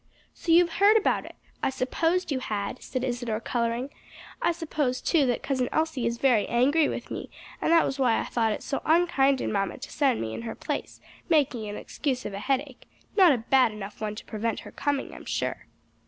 "So you've heard about it? I supposed you had," said Isadore coloring. "I suppose too, that Cousin Elsie is very angry with me, and that was why I thought it so unkind in mamma to send me in her place, making an excuse of a headache; not a bad enough one to prevent her coming, I'm sure."